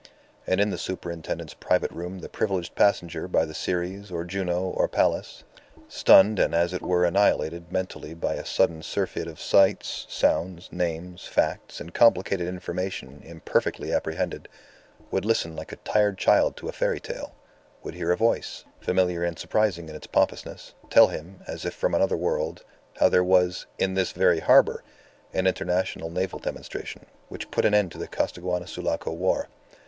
And in the superintendent's private room the privileged passenger by the Ceres, or Juno, or Pallas, stunned and as it were annihilated mentally by a sudden surfeit of sights, sounds, names, facts, and complicated information imperfectly apprehended, would listen like a tired child to a fairy tale; would hear a voice, familiar and surprising in its pompousness, tell him, as if from another world, how there was "in this very harbour" an international naval demonstration, which put an end to the Costaguana Sulaco War.